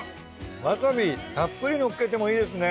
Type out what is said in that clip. わさびたっぷりのっけてもいいですね。